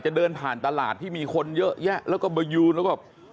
เดินผ่านตลาดที่มีคนเยอะแยะแล้วก็มายืนแล้วแบบ